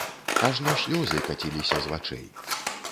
Ажно слёзы каціліся з вачэй.